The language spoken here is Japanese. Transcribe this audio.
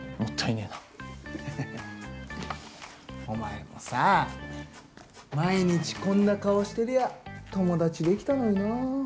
お前もさ毎日こんな顔してりゃ友達できたのにな。